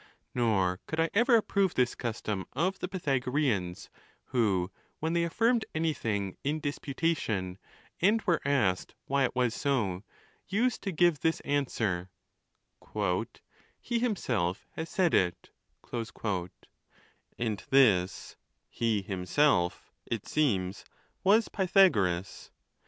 Nor could I ever approve this custom of the Pythagoreans, who, when they affirmed anything in dispu tation, and were asked why it was so, used to give this an swer: "He himself has said it;" and this " he himself," it seems, was Pythagoras.